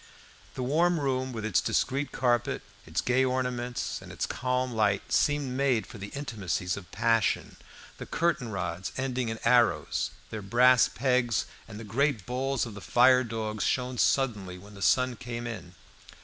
The warm room, with its discreet carpet, its gay ornaments, and its calm light, seemed made for the intimacies of passion. The curtain rods, ending in arrows, their brass pegs, and the great balls of the fire dogs shone suddenly when the sun came in.